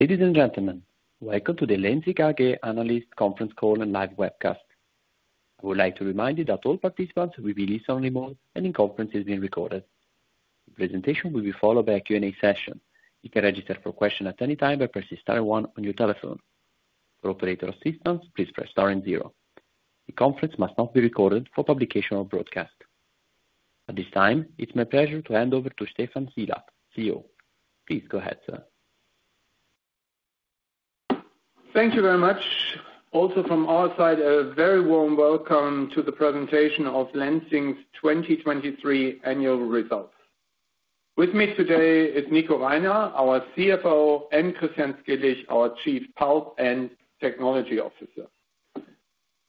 Ladies and gentlemen, welcome to the Lenzing AG analyst conference call and live webcast. I would like to remind you that all participants will be in listen-only mode and the conference is being recorded. The presentation will be followed by a Q&A session. You can register for questions at any time by pressing star one on your telephone. For operator assistance, please press star zero. The conference must not be recorded for publication or broadcast. At this time, it's my pleasure to hand over to Stephan Sielaff, CEO. Please go ahead, sir. Thank you very much. Also, from our side, a very warm welcome to the presentation of Lenzing's 2023 annual results. With me today is Nico Reiner, our CFO, and Christian Skilich, our Chief Pulp and Technology Officer.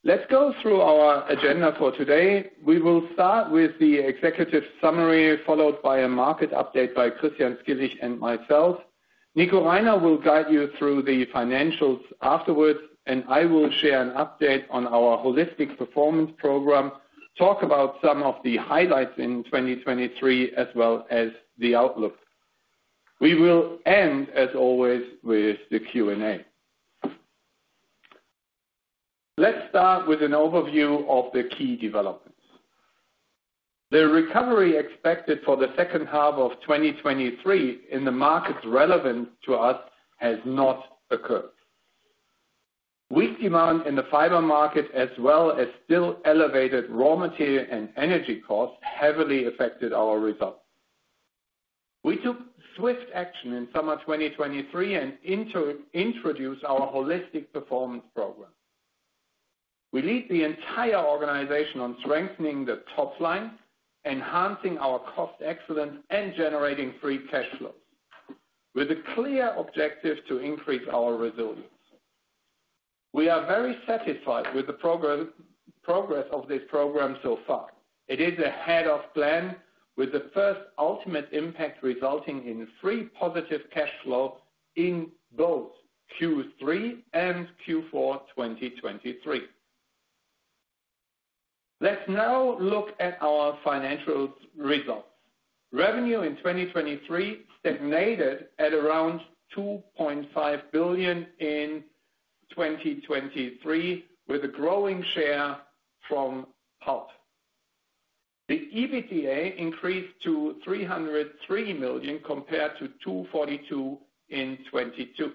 Let's go through our agenda for today. We will start with the executive summary, followed by a market update by Christian Skilich and myself. Nico Reiner will guide you through the financials afterwards, and I will share an update on our holistic performance program, talk about some of the highlights in 2023, as well as the outlook. We will end, as always, with the Q&A. Let's start with an overview of the key developments. The recovery expected for the second half of 2023 in the markets relevant to us has not occurred. Weak demand in the fiber market, as well as still elevated raw material and energy costs, heavily affected our results. We took swift action in summer 2023 and introduced our Holistic Performance Program. We lead the entire organization on strengthening the top line, enhancing our cost excellence, and generating free cash flow, with a clear objective to increase our resilience. We are very satisfied with the progress of this program so far. It is ahead of plan, with the first ultimate impact resulting in free positive cash flow in both Q3 and Q4, 2023. Let's now look at our financial results. Revenue in 2023 stagnated at around 2.5 billion in 2023, with a growing share from pulp. The EBITDA increased to 303 million compared to 242 in 2022.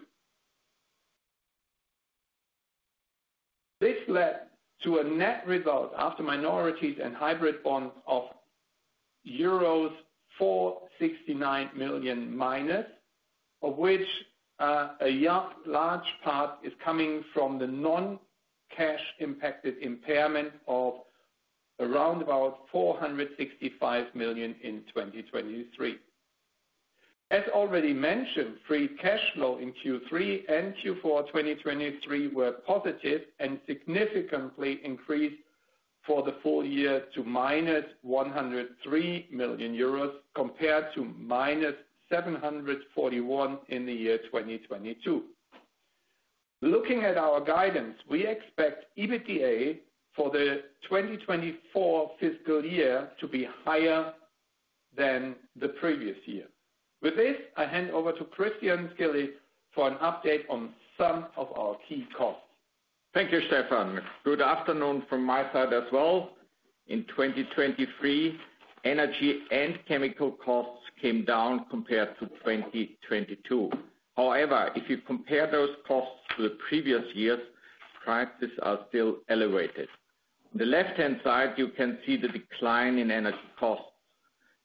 This led to a net result after minorities and hybrid bonds of -469 million euros, of which a huge large part is coming from the non-cash impacted impairment of around 465 million in 2023. As already mentioned, free cash flow in Q3 and Q4, 2023, were positive and significantly increased for the full year to -103 million euros, compared to -741 million in the year 2022. Looking at our guidance, we expect EBITDA for the 2024 fiscal year to be higher than the previous year. With this, I hand over to Christian Skilich for an update on some of our key costs. Thank you, Stephan. Good afternoon from my side as well. In 2023, energy and chemical costs came down compared to 2022. However, if you compare those costs to the previous years, prices are still elevated. On the left-hand side, you can see the decline in energy costs.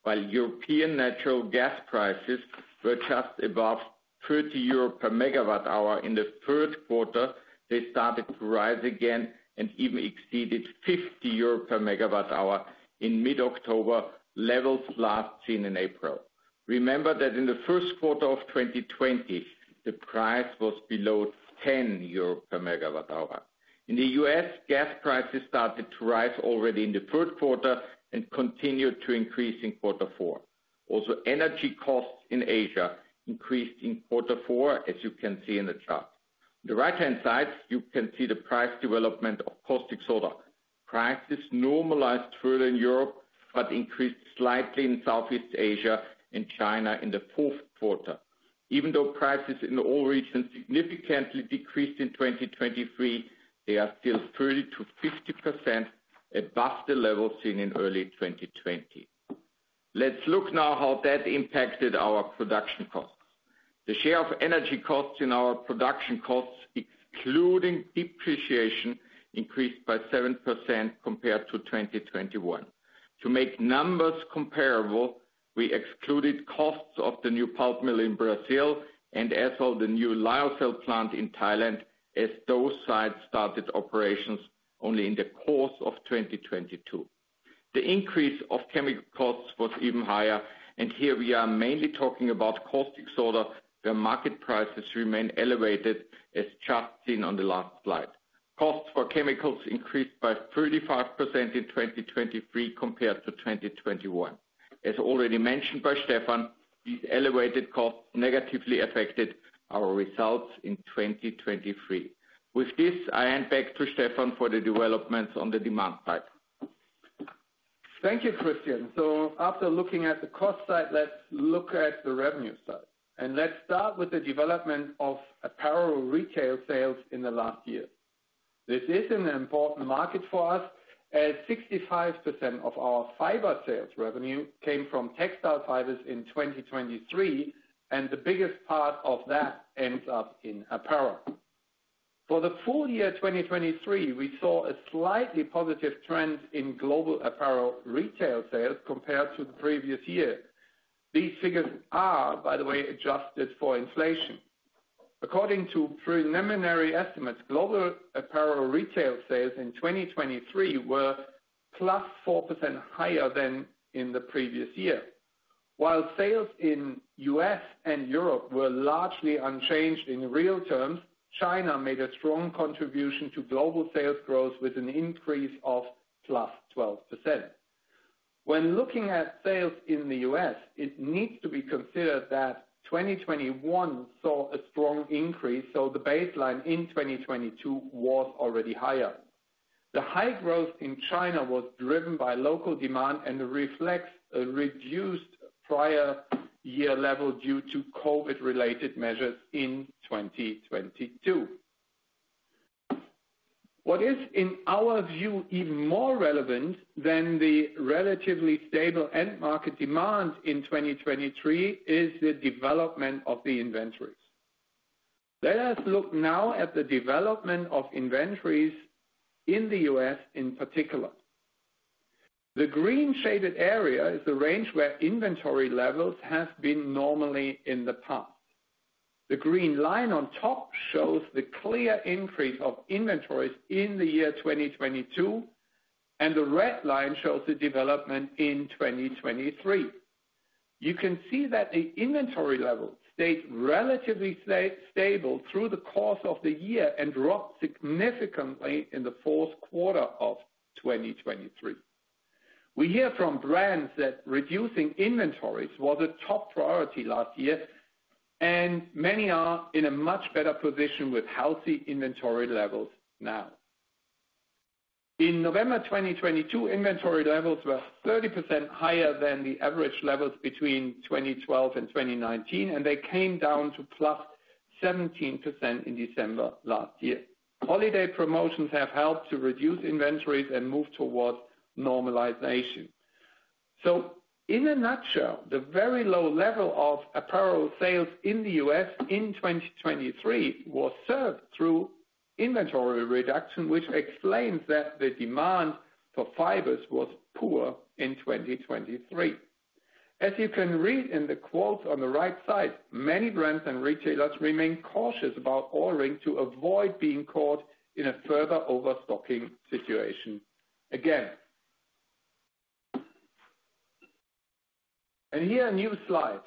While European natural gas prices were just above 30 euro per MWh in the third quarter, they started to rise again and even exceeded 50 euro per MWh in mid-October, levels last seen in April. Remember that in the first quarter of 2020, the price was below 10 euro per MWh. In the U.S., gas prices started to rise already in the third quarter and continued to increase in quarter four. Also, energy costs in Asia increased in quarter four, as you can see in the chart. On the right-hand side, you can see the price development of caustic soda. Prices normalized further in Europe, but increased slightly in Southeast Asia and China in the fourth quarter. Even though prices in all regions significantly decreased in 2023, they are still 30%-50% above the levels seen in early 2020. Let's look now how that impacted our production costs. The share of energy costs in our production costs, excluding depreciation, increased by 7% compared to 2021. To make numbers comparable, we excluded costs of the new pulp mill in Brazil and also the new lyocell plant in Thailand, as those sites started operations only in the course of 2022. The increase of chemical costs was even higher, and here we are mainly talking about caustic soda, where market prices remain elevated, as chart seen on the last slide. Costs for chemicals increased by 35% in 2023 compared to 2021. As already mentioned by Stephan, these elevated costs negatively affected our results in 2023. With this, I hand back to Stephan for the developments on the demand side.... Thank you, Christian. After looking at the cost side, let's look at the revenue side, and let's start with the development of apparel retail sales in the last year. This is an important market for us, as 65% of our fiber sales revenue came from textile fibers in 2023, and the biggest part of that ends up in apparel. For the full year, 2023, we saw a slightly positive trend in global apparel retail sales compared to the previous year. These figures are, by the way, adjusted for inflation. According to preliminary estimates, global apparel retail sales in 2023 were +4% higher than in the previous year. While sales in U.S. and Europe were largely unchanged in real terms, China made a strong contribution to global sales growth, with an increase of +12%. When looking at sales in the U.S., it needs to be considered that 2021 saw a strong increase, so the baseline in 2022 was already higher. The high growth in China was driven by local demand and reflects a reduced prior year level due to COVID-related measures in 2022. What is, in our view, even more relevant than the relatively stable end market demand in 2023, is the development of the inventories. Let us look now at the development of inventories in the U.S. in particular. The green shaded area is the range where inventory levels have been normally in the past. The green line on top shows the clear increase of inventories in the year 2022, and the red line shows the development in 2023. You can see that the inventory level stayed relatively stable through the course of the year and dropped significantly in the fourth quarter of 2023. We hear from brands that reducing inventories was a top priority last year, and many are in a much better position with healthy inventory levels now. In November 2022, inventory levels were 30% higher than the average levels between 2012 and 2019, and they came down to +17% in December last year. Holiday promotions have helped to reduce inventories and move towards normalization. So in a nutshell, the very low level of apparel sales in the U.S. in 2023 was served through inventory reduction, which explains that the demand for fibers was poor in 2023. As you can read in the quote on the right side, many brands and retailers remain cautious about ordering to avoid being caught in a further overstocking situation again. Here, a new slide.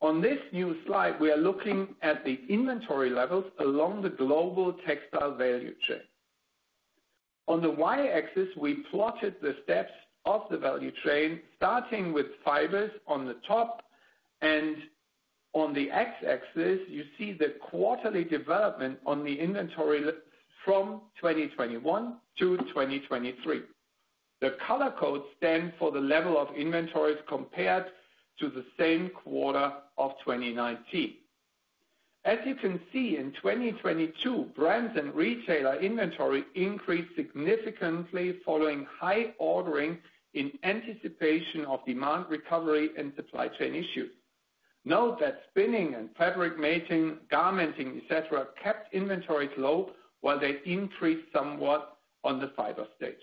On this new slide, we are looking at the inventory levels along the global textile value chain. On the Y-axis, we plotted the steps of the value chain, starting with fibers on the top, and on the X-axis, you see the quarterly development on the inventory from 2021-2023. The color code stands for the level of inventories compared to the same quarter of 2019. As you can see, in 2022, brands and retailer inventory increased significantly following high ordering in anticipation of demand recovery and supply chain issues. Note that spinning and fabric making, garmenting, et cetera, kept inventories low, while they increased somewhat on the fiber stage.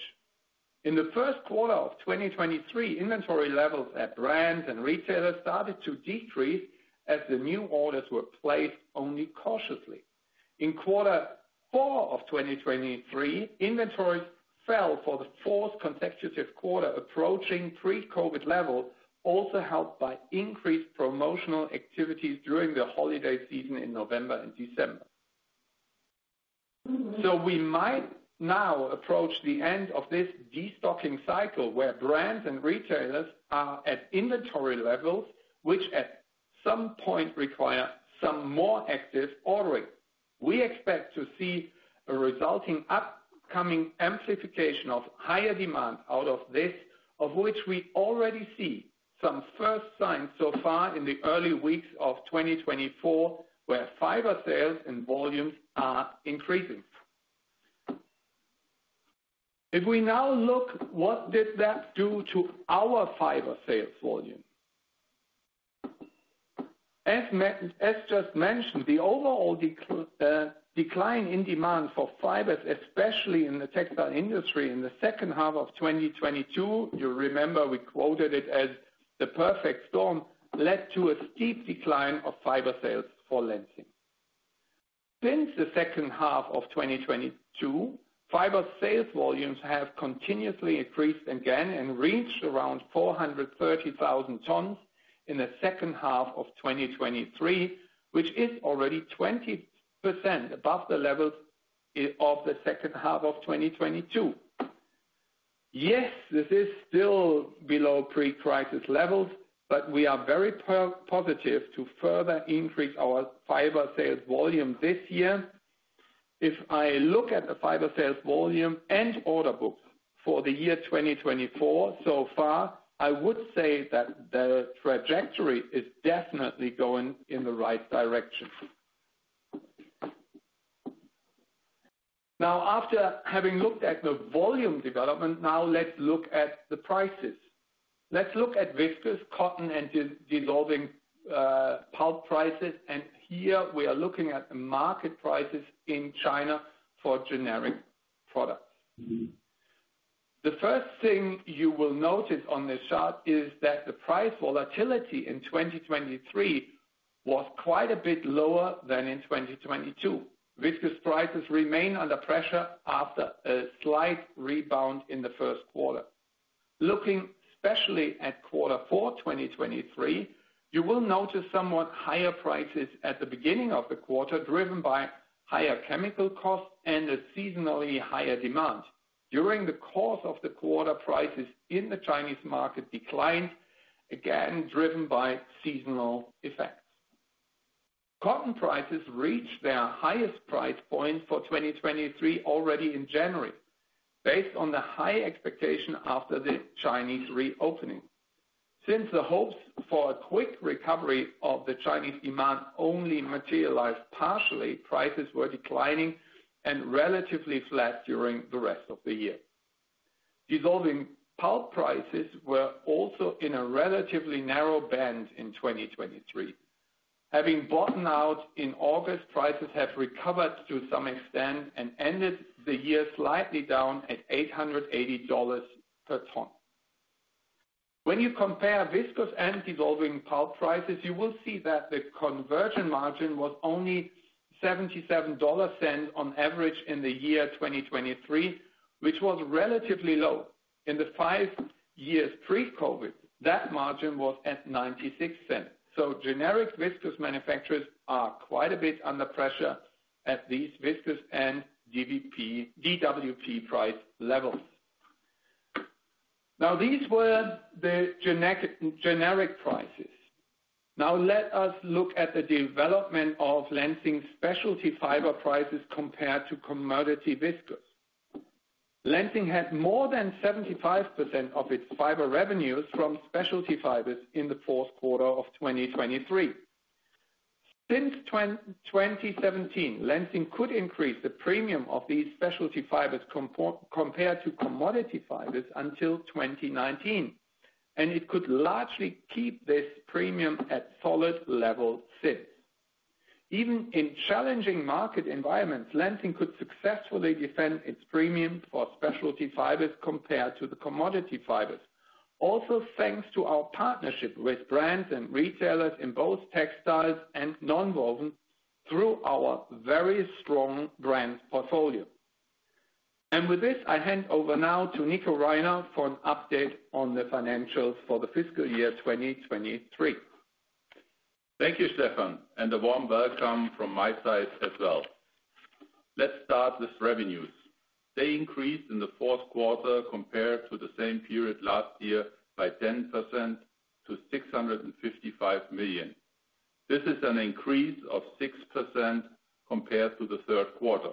In the first quarter of 2023, inventory levels at brands and retailers started to decrease as the new orders were placed only cautiously. In quarter four of 2023, inventories fell for the fourth consecutive quarter, approaching pre-COVID levels, also helped by increased promotional activities during the holiday season in November and December. So we might now approach the end of this destocking cycle, where brands and retailers are at inventory levels, which at some point require some more active ordering. We expect to see a resulting upcoming amplification of higher demand out of this, of which we already see some first signs so far in the early weeks of 2024, where fiber sales and volumes are increasing. If we now look, what did that do to our fiber sales volume? As just mentioned, the overall decline in demand for fibers, especially in the textile industry in the second half of 2022, you remember we quoted it as the perfect storm, led to a steep decline of fiber sales for Lenzing. Since the second half of 2022, fiber sales volumes have continuously increased again and reached around 430,000 tons in the second half of 2023, which is already 20% above the levels of the second half of 2022. Yes, this is still below pre-crisis levels, but we are very positive to further increase our fiber sales volume this year. If I look at the fiber sales volume and order book for the year 2024 so far, I would say that the trajectory is definitely going in the right direction. Now, after having looked at the volume development, now let's look at the prices. Let's look at viscose, cotton, and dissolving pulp prices, and here we are looking at the market prices in China for generic products. The first thing you will notice on this chart is that the price volatility in 2023 was quite a bit lower than in 2022. Viscose prices remain under pressure after a slight rebound in the first quarter. Looking especially at quarter four, 2023, you will notice somewhat higher prices at the beginning of the quarter, driven by higher chemical costs and a seasonally higher demand. During the course of the quarter, prices in the Chinese market declined, again, driven by seasonal effects. Cotton prices reached their highest price point for 2023 already in January, based on the high expectation after the Chinese reopening. Since the hopes for a quick recovery of the Chinese demand only materialized partially, prices were declining and relatively flat during the rest of the year. Dissolving pulp prices were also in a relatively narrow band in 2023. Having bottomed out in August, prices have recovered to some extent and ended the year slightly down at $880 per ton. When you compare viscose and dissolving pulp prices, you will see that the conversion margin was only $0.77 on average in the year 2023, which was relatively low. In the five years pre-COVID, that margin was at $0.96. So generic viscose manufacturers are quite a bit under pressure at these viscose and DWP price levels. Now, these were the generic prices. Now let us look at the development of Lenzing specialty fiber prices compared to commodity viscose. Lenzing had more than 75% of its fiber revenues from specialty fibers in the fourth quarter of 2023. Since 2017, Lenzing could increase the premium of these specialty fibers compared to commodity fibers until 2019, and it could largely keep this premium at solid levels since. Even in challenging market environments, Lenzing could successfully defend its premiums for specialty fibers compared to the commodity fibers. Also, thanks to our partnership with brands and retailers in both textiles and nonwoven through our very strong brand portfolio. And with this, I hand over now to Nico Reiner for an update on the financials for the fiscal year 2023. Thank you, Stephan, and a warm welcome from my side as well. Let's start with revenues. They increased in the fourth quarter compared to the same period last year by 10% to 655 million. This is an increase of 6% compared to the third quarter.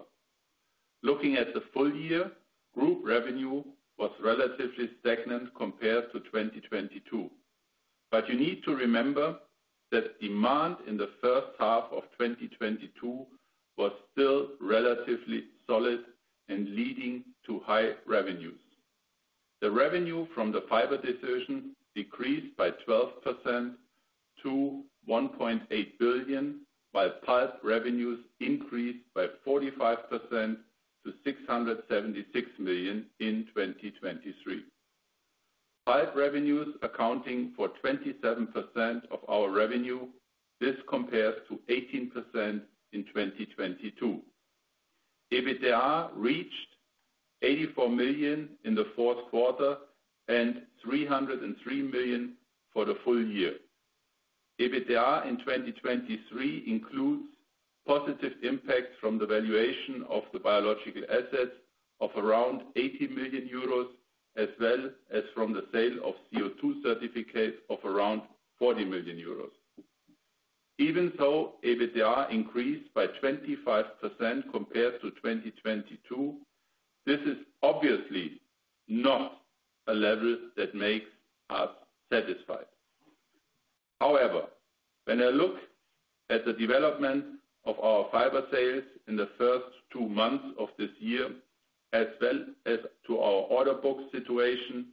Looking at the full year, group revenue was relatively stagnant compared to 2022. But you need to remember that demand in the first half of 2022 was still relatively solid and leading to high revenues. The revenue from the fiber division decreased by 12% to 1.8 billion, while pulp revenues increased by 45% to 676 million in 2023. Pulp revenues accounting for 27% of our revenue, this compares to 18% in 2022. EBITDA reached 84 million in the fourth quarter and 303 million for the full year. EBITDA in 2023 includes positive impacts from the valuation of the biological assets of around 80 million euros, as well as from the sale of CO₂ certificates of around 40 million euros. Even so, EBITDA increased by 25% compared to 2022. This is obviously not a level that makes us satisfied. However, when I look at the development of our fiber sales in the first two months of this year, as well as to our order book situation,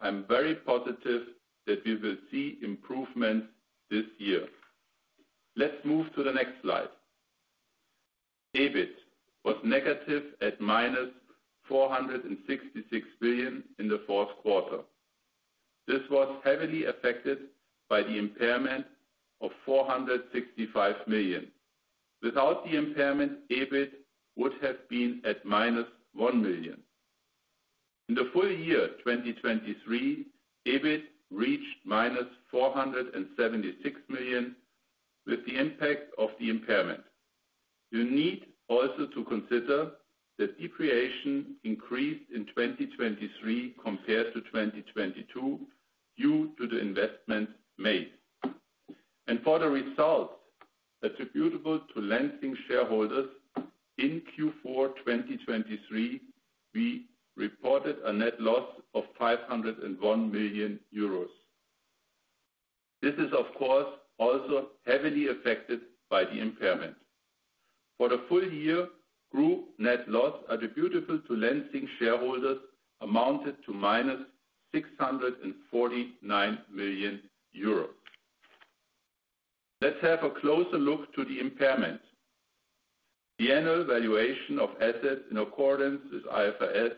I'm very positive that we will see improvements this year. Let's move to the next slide. EBIT was negative at -466 million in the fourth quarter. This was heavily affected by the impairment of 465 million. Without the impairment, EBIT would have been at -1 million. In the full year 2023, EBIT reached -476 million with the impact of the impairment. You need also to consider that depreciation increased in 2023 compared to 2022 due to the investment made. For the results attributable to Lenzing shareholders in Q4 2023, we reported a net loss of 501 million euros. This is, of course, also heavily affected by the impairment. For the full year, group net loss attributable to Lenzing shareholders amounted to -649 million euros. Let's have a closer look to the impairment. The annual valuation of assets in accordance with IFRS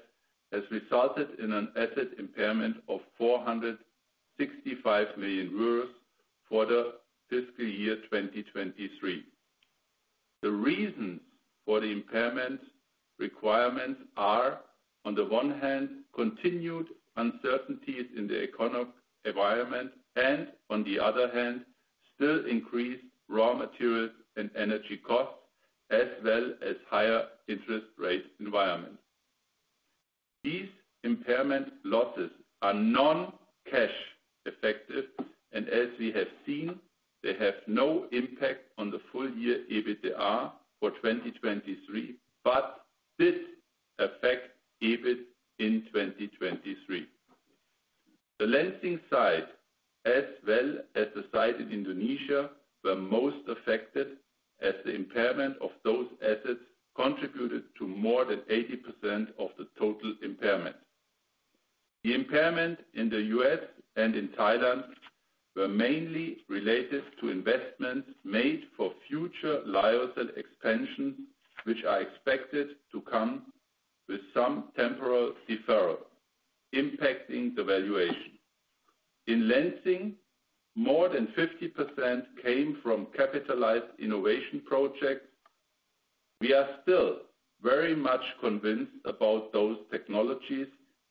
has resulted in an asset impairment of 465 million euros for the fiscal year 2023. The reasons for the impairment requirements are, on the one hand, continued uncertainties in the economic environment and, on the other hand, still increased raw materials and energy costs, as well as higher interest rate environment. These impairment losses are non-cash effective, and as we have seen, they have no impact on the full year EBITDA for 2023, but did affect EBIT in 2023. The Lenzing site, as well as the site in Indonesia, were most affected as the impairment of those assets contributed to more than 80% of the total impairment. The impairment in the U.S. and in Thailand were mainly related to investments made for future lyocell expansion, which are expected to come with some temporal deferral impacting the valuation. In Lenzing, more than 50% came from capitalized innovation projects. We are still very much convinced about those technologies,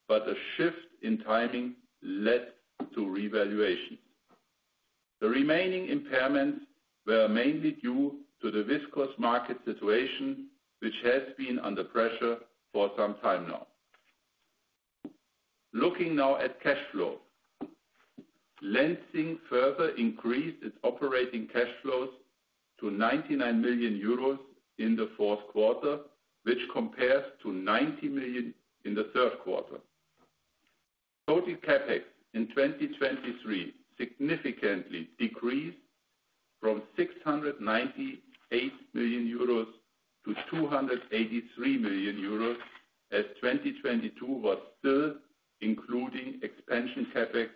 but a shift in timing led to revaluation. The remaining impairments were mainly due to the viscose market situation, which has been under pressure for some time now. Looking now at cash flow. Lenzing further increased its operating cash flows to 99 million euros in the fourth quarter, which compares to 90 million in the third quarter. Total CapEx in 2023 significantly decreased from 698 million euros to 283 million euros, as 2022 was still including expansion CapEx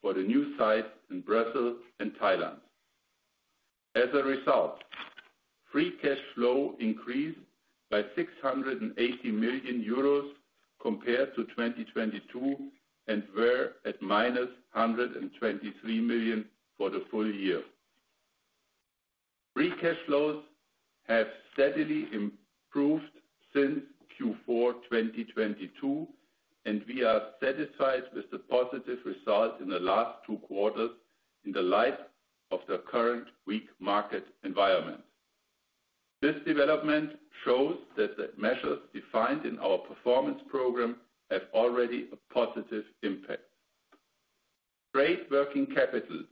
for the new sites in Brazil and Thailand. As a result, free cash flow increased by 680 million euros compared to 2022 and were at -123 million for the full year. Free cash flows have steadily improved since Q4 2022, and we are satisfied with the positive result in the last two quarters in the light of the current weak market environment. This development shows that the measures defined in our performance program have already a positive impact. Trade Working Capital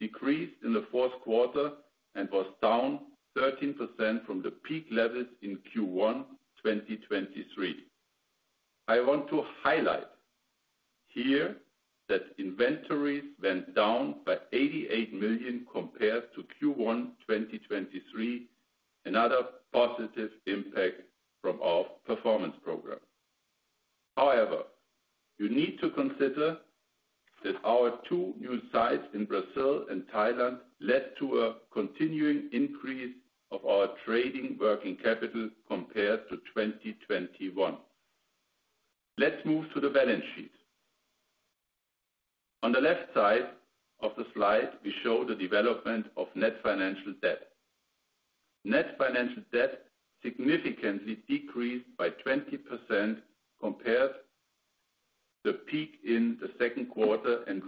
decreased in the fourth quarter and was down 13% from the peak levels in Q1 2023. I want to highlight here that inventories went down by 88 million compared to Q1 2023, another positive impact from our performance program. However, you need to consider that our two new sites in Brazil and Thailand led to a continuing increase of our Trade Working Capital compared to 2021. Let's move to the balance sheet. On the left side of the slide, we show the development of net financial debt. Net financial debt significantly decreased by 20% compared to the peak in the second quarter and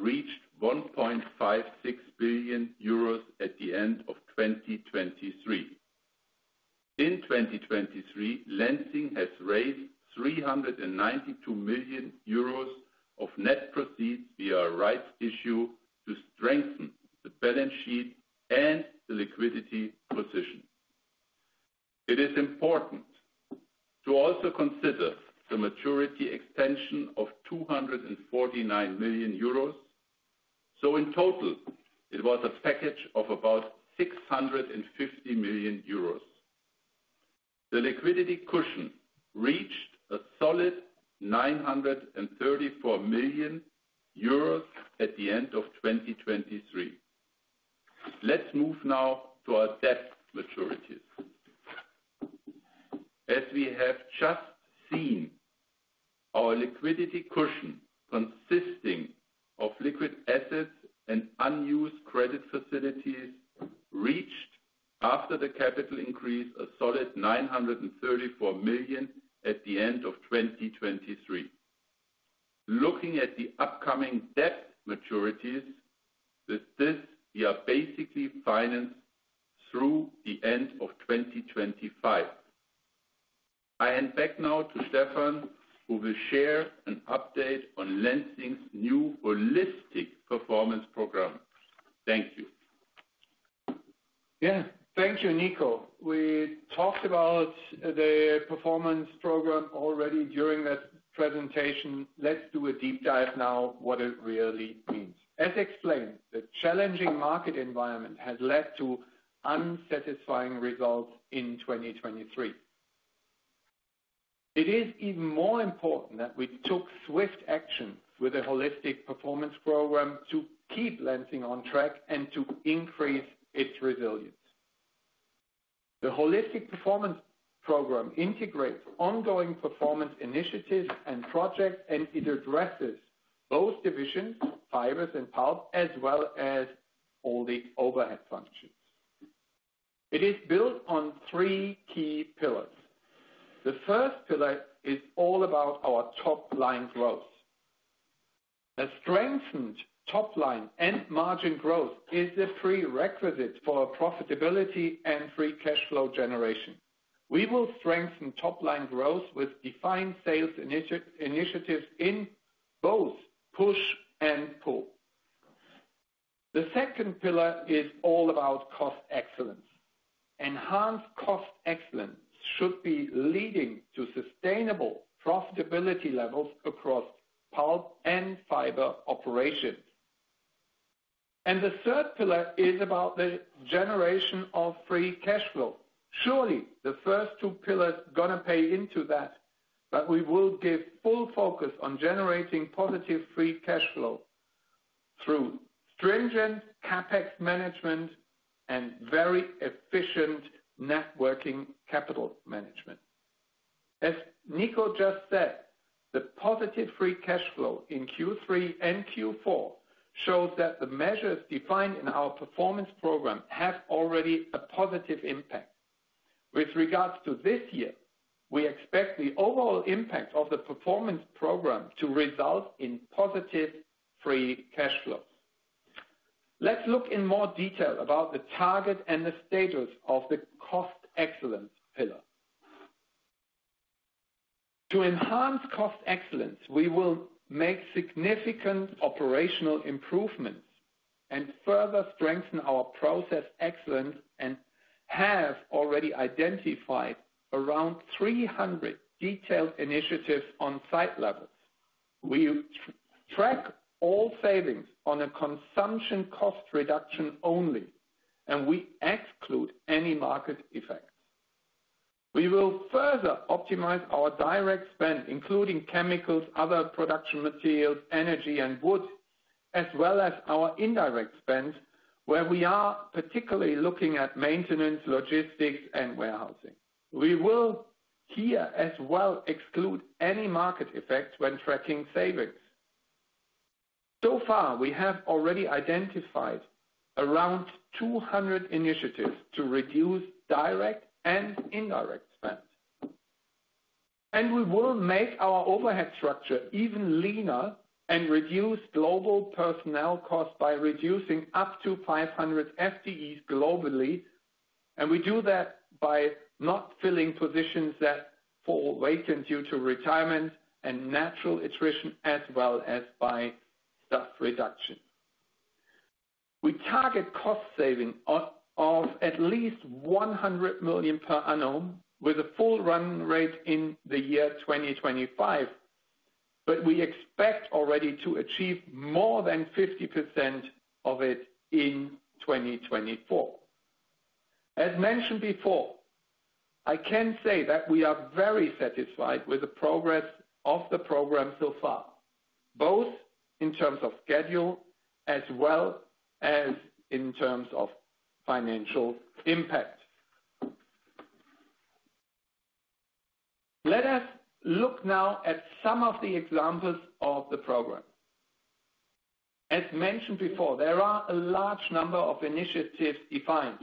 The Holistic Performance Program integrates ongoing performance initiatives and projects, and it addresses both divisions, Fibers and Pulp, as well as all the overhead functions. It is built on three key pillars. The first pillar is all about our top-line growth. A strengthened top-line and margin growth is a prerequisite for profitability and free cash flow generation. We will strengthen top-line growth with defined sales initiatives in both push and pull. The second pillar is all about Cost Excellence. Enhanced cost excellence should be leading to sustainable profitability levels across pulp and fiber operations. The third pillar is about the generation of free cash flow. Surely, the first two pillars gonna pay into that, but we will give full focus on generating positive free cash flow through stringent CapEx management and very efficient working capital management. As Nico just said, the positive free cash flow in Q3 and Q4 shows that the measures defined in our performance program have already a positive impact. With regards to this year, we expect the overall impact of the performance program to result in positive free cash flow. Let's look in more detail about the target and the status of the cost excellence pillar. To enhance cost excellence, we will make significant operational improvements and further strengthen our process excellence, and have already identified around 300 detailed initiatives on site levels. We track all savings on a consumption cost reduction only, and we exclude any market effects. We will further optimize our direct spend, including chemicals, other production materials, energy, and wood, as well as our indirect spend, where we are particularly looking at maintenance, logistics, and warehousing. We will here as well exclude any market effects when tracking savings. So far, we have already identified around 200 initiatives to reduce direct and indirect spend. And we will make our overhead structure even leaner and reduce global personnel costs by reducing up to 500 FTEs globally, and we do that by not filling positions that fall vacant due to retirement and natural attrition, as well as by staff reduction. We target cost saving of at least 100 million per annum, with a full run rate in the year 2025, but we expect already to achieve more than 50% of it in 2024. As mentioned before, I can say that we are very satisfied with the progress of the program so far, both in terms of schedule as well as in terms of financial impact. Let us look now at some of the examples of the program. As mentioned before, there are a large number of initiatives defined.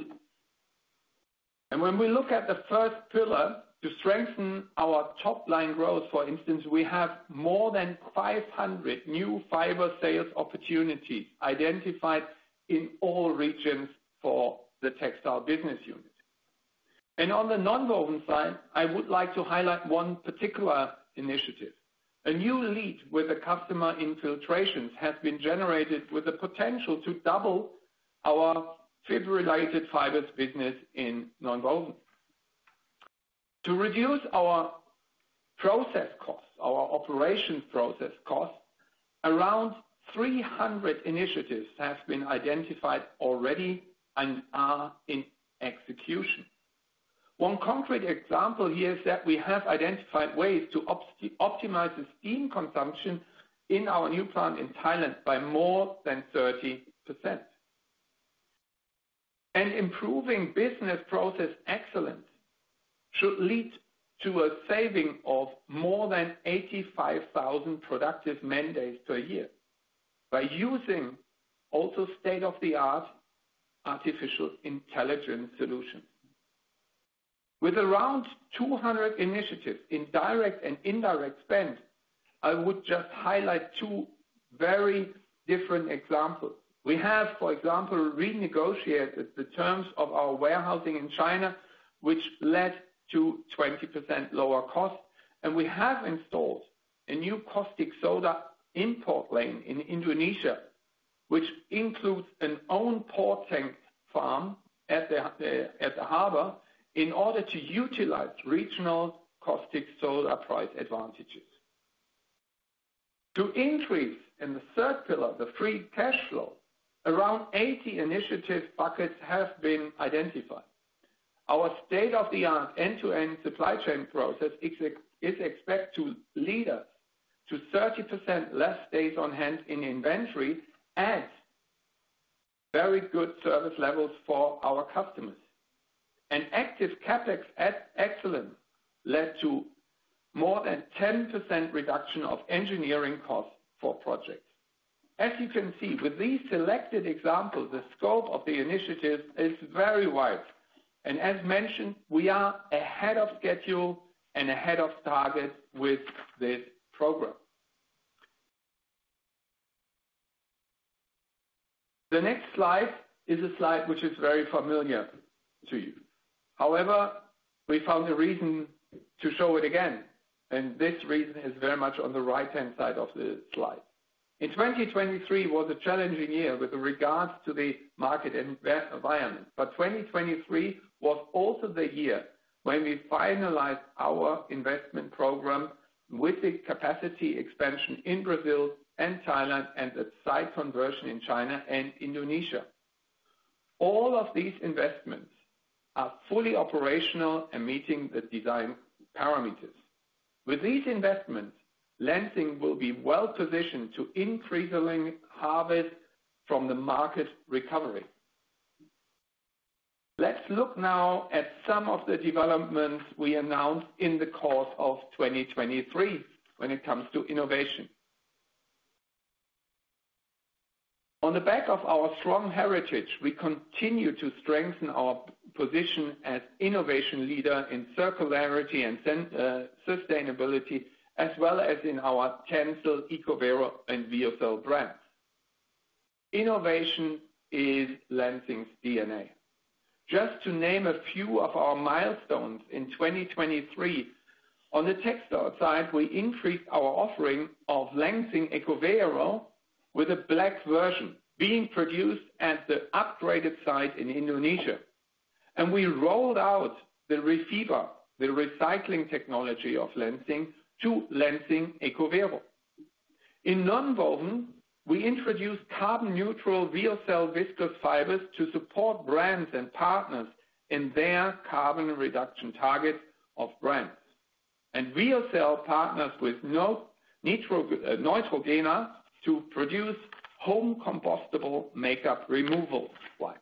When we look at the first pillar, to strengthen our top line growth, for instance, we have more than 500 new fiber sales opportunities identified in all regions for the textile business unit. On the nonwoven side, I would like to highlight one particular initiative. A new lead with the customer in filtration has been generated with the potential to double our fiber-related fibers business in nonwoven. To reduce our process costs, our operation process costs, around 300 initiatives have been identified already and are in execution. One concrete example here is that we have identified ways to optimize the steam consumption in our new plant in Thailand by more than 30%. Improving business process excellence should lead to a saving of more than 85,000 productive man days per year by using also state-of-the-art artificial intelligence solutions. With around 200 initiatives in direct and indirect spend, I would just highlight two very different examples. We have, for example, renegotiated the terms of our warehousing in China, which led to 20% lower costs, and we have installed a new caustic soda import lane in Indonesia, which includes an own port tank farm at the harbor, in order to utilize regional caustic soda price advantages. To increase in the third pillar, the free cash flow, around 80 initiative buckets have been identified. Our state-of-the-art, end-to-end supply chain process expects to lead us to 30% less days on hand in inventory and very good service levels for our customers. An active CapEx at excellence led to more than 10% reduction of engineering costs for projects. As you can see, with these selected examples, the scope of the initiative is very wide, and as mentioned, we are ahead of schedule and ahead of target with this program. The next slide is a slide which is very familiar to you. However, we found a reason to show it again, and this reason is very much on the right-hand side of the slide. In 2023 was a challenging year with regards to the market environment, but 2023 was also the year when we finalized our investment program with the capacity expansion in Brazil and Thailand and the site conversion in China and Indonesia. All of these investments are fully operational and meeting the design parameters. With these investments, Lenzing will be well positioned to increase the link harvest from the market recovery. Let's look now at some of the developments we announced in the course of 2023 when it comes to innovation. On the back of our strong heritage, we continue to strengthen our position as innovation leader in circularity and sustainability, as well as in our TENCEL, ECOVERO, and VEOCEL brands. Innovation is Lenzing's DNA. Just to name a few of our milestones in 2023, on the textile side, we increased our offering of Lenzing ECOVERO with a black version being produced at the upgraded site in Indonesia, and we rolled out the REFIBRA, the recycling technology of Lenzing, to Lenzing ECOVERO. In nonwoven, we introduced carbon neutral VEOCEL viscose fibers to support brands and partners in their carbon reduction target of brands. And VEOCEL partners with Neutrogena to produce home compostable makeup removal wipes.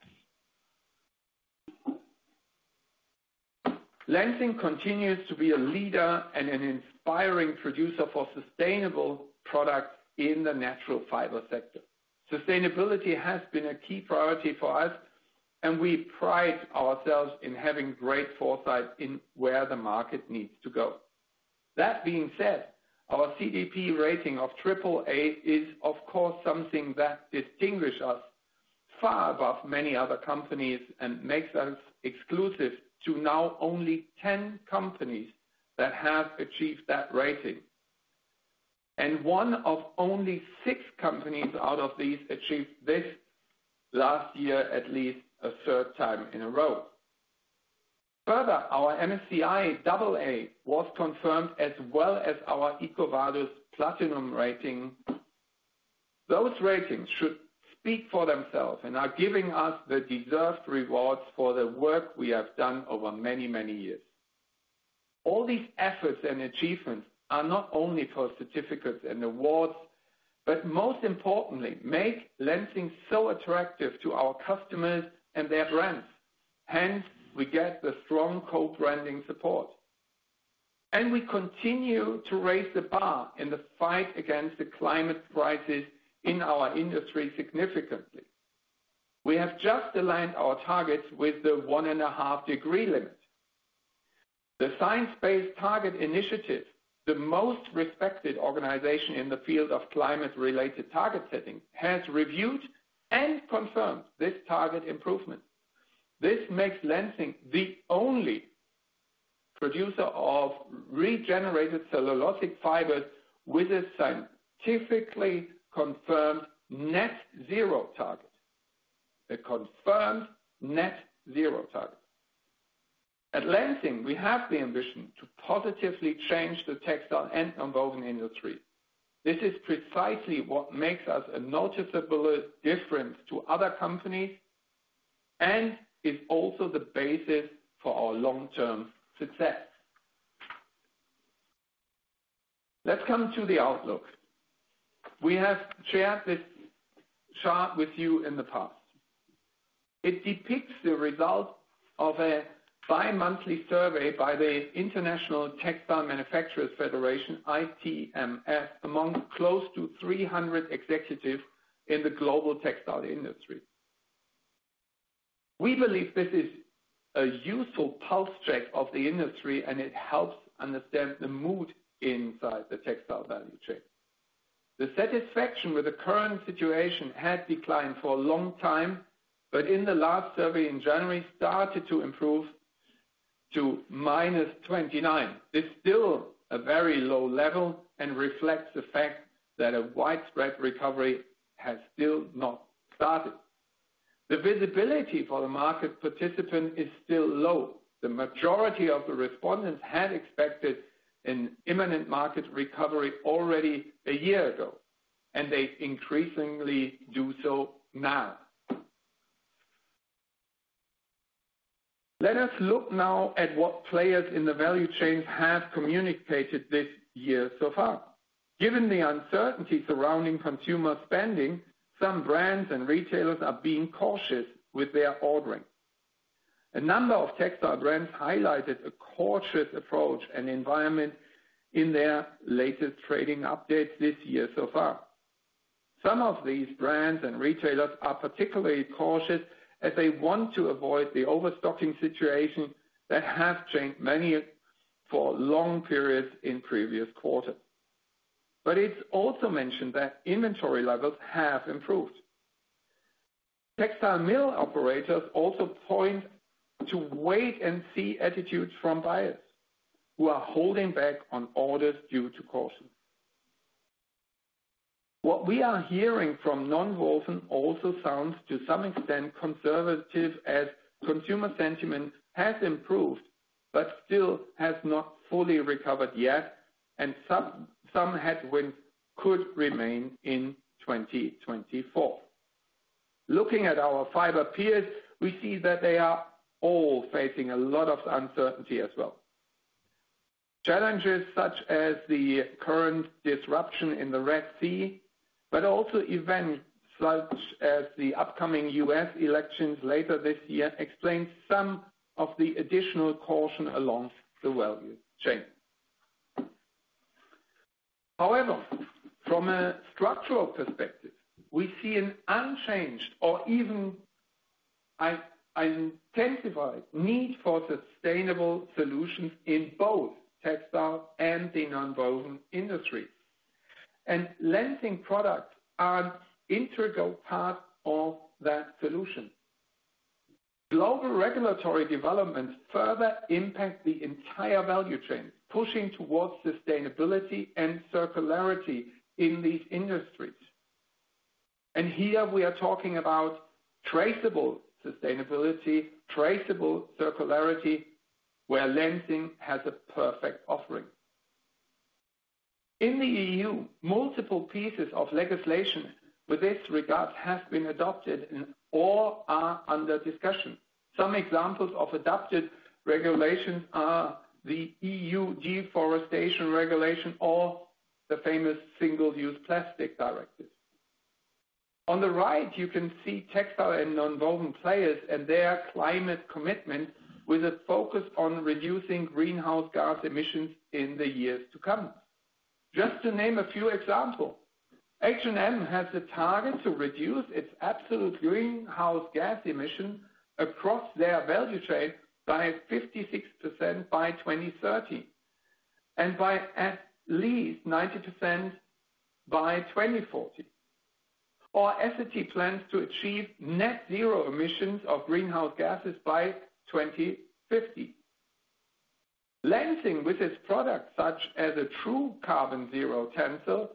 Lenzing continues to be a leader and an inspiring producer for sustainable products in the natural fiber sector. Sustainability has been a key priority for us, and we pride ourselves in having great foresight in where the market needs to go. That being said, our CDP rating of triple A is, of course, something that distinguish us far above many other companies and makes us exclusive to now only 10 companies that have achieved that rating. One of only six companies out of these achieved this last year, at least a third time in a row. Further, our MSCI double A was confirmed as well as our EcoVadis platinum rating. Those ratings should speak for themselves and are giving us the deserved rewards for the work we have done over many, many years. All these efforts and achievements are not only for certificates and awards, but most importantly, make Lenzing so attractive to our customers and their brands. Hence, we get the strong co-branding support, and we continue to raise the bar in the fight against the climate crisis in our industry significantly. We have just aligned our targets with the 1.5-degree limit. The Science Based Targets initiative, the most respected organization in the field of climate-related target setting, has reviewed and confirmed this target improvement. This makes Lenzing the only producer of regenerated cellulosic fibers with a scientifically confirmed net zero target. A confirmed net zero target. At Lenzing, we have the ambition to positively change the textile and nonwovens industry. This is precisely what makes us a noticeable difference to other companies and is also the basis for our long-term success. Let's come to the outlook. We have shared this chart with you in the past. It depicts the result of a bimonthly survey by the International Textile Manufacturers Federation, ITMF, among close to 300 executives in the global textile industry.... We believe this is a useful pulse check of the industry, and it helps understand the mood inside the textile value chain. The satisfaction with the current situation had declined for a long time, but in the last survey in January, started to improve to -29. This is still a very low level and reflects the fact that a widespread recovery has still not started. The visibility for the market participant is still low. The majority of the respondents had expected an imminent market recovery already a year ago, and they increasingly do so now. Let us look now at what players in the value chain have communicated this year so far. Given the uncertainty surrounding consumer spending, some brands and retailers are being cautious with their ordering. A number of textile brands highlighted a cautious approach and environment in their latest trading updates this year so far. Some of these brands and retailers are particularly cautious as they want to avoid the overstocking situation that has changed many for long periods in previous quarters. It's also mentioned that inventory levels have improved. Textile mill operators also point to wait-and-see attitudes from buyers, who are holding back on orders due to caution. What we are hearing from nonwoven also sounds, to some extent, conservative, as consumer sentiment has improved, but still has not fully recovered yet, and some headwinds could remain in 2024. Looking at our fiber peers, we see that they are all facing a lot of uncertainty as well. Challenges such as the current disruption in the Red Sea, but also events such as the upcoming U.S. elections later this year, explain some of the additional caution along the value chain. However, from a structural perspective, we see an unchanged or even intensified need for sustainable solutions in both textile and the nonwoven industry. Lenzing products are an integral part of that solution. Global regulatory developments further impact the entire value chain, pushing towards sustainability and circularity in these industries. Here we are talking about traceable sustainability, traceable circularity, where Lenzing has a perfect offering. In the EU, multiple pieces of legislation with this regard have been adopted and all are under discussion. Some examples of adopted regulations are the EU Deforestation Regulation or the famous Single-Use Plastics Directive. On the right, you can see textile and nonwoven players and their climate commitment with a focus on reducing greenhouse gas emissions in the years to come. Just to name a few examples, H&M has a target to reduce its absolute greenhouse gas emissions across their value chain by 56% by 2030, and by at least 90% by 2040. Or SCT plans to achieve net zero emissions of greenhouse gases by 2050. Lenzing, with its products, such as a true carbon zero TENCEL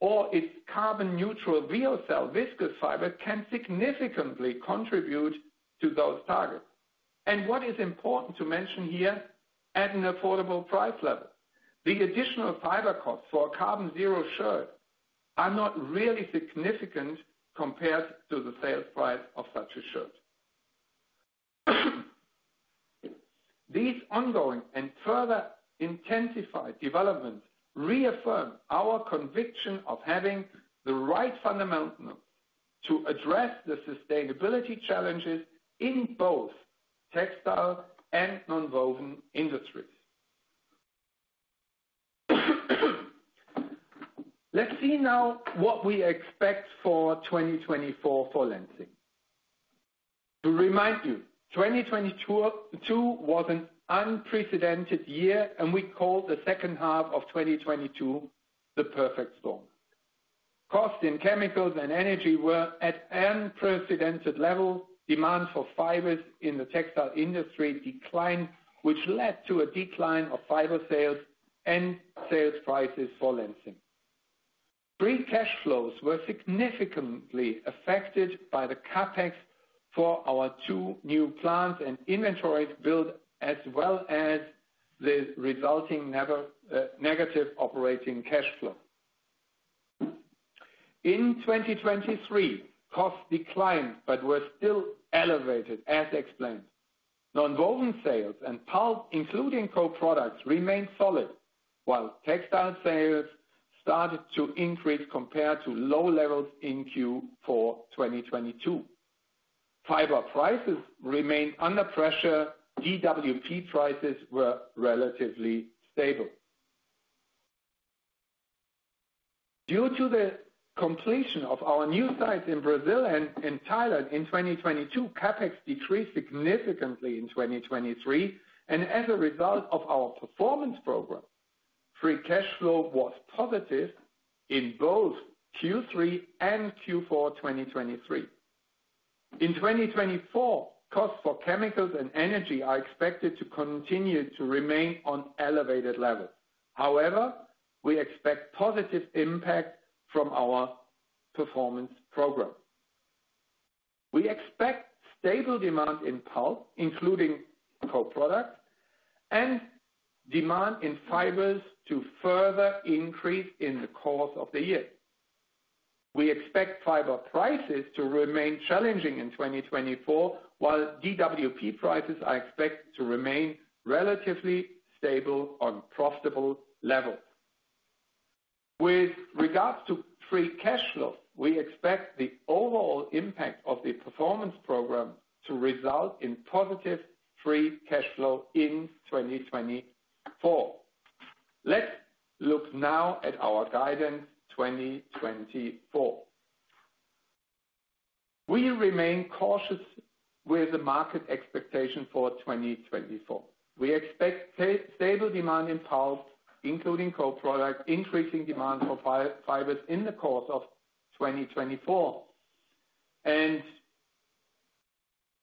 or its carbon-neutral lyocell viscose fiber, can significantly contribute to those targets. And what is important to mention here, at an affordable price level, the additional fiber costs for a carbon zero shirt are not really significant compared to the sales price of such a shirt. These ongoing and further intensified developments reaffirm our conviction of having the right fundamentals to address the sustainability challenges in both textile and nonwoven industries. Let's see now what we expect for 2024 for Lenzing. To remind you, 2022 too was an unprecedented year, and we call the second half of 2022 the perfect storm. Costs in chemicals and energy were at an unprecedented level. Demand for fibers in the textile industry declined, which led to a decline of fiber sales and sales prices for Lenzing. Free cash flows were significantly affected by the CapEx for our two new plants and inventories built, as well as the resulting negative operating cash flow. In 2023, costs declined but were still elevated, as explained. Nonwoven sales and pulp, including co-products, remained solid, while textile sales started to increase compared to low levels in Q4 2022. Fiber prices remained under pressure. DWP prices were relatively stable. Due to the completion of our new sites in Brazil and in Thailand in 2022, CapEx decreased significantly in 2023, and as a result of our performance program, free cash flow was positive in both Q3 and Q4 2023. In 2024, costs for chemicals and energy are expected to continue to remain on elevated levels. However, we expect positive impact from our performance program. We expect stable demand in pulp, including co-products, and demand in fibers to further increase in the course of the year. We expect fiber prices to remain challenging in 2024, while DWP prices are expected to remain relatively stable on profitable levels. With regards to free cash flow, we expect the overall impact of the performance program to result in positive free cash flow in 2024. Let's look now at our guidance, 2024. We remain cautious with the market expectation for 2024. We expect stable demand in pulp, including co-product, increasing demand for fibers in the course of 2024. And